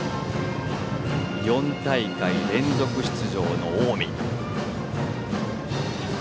４大会連続出場の近江。